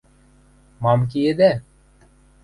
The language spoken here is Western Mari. – Мам киэдӓ?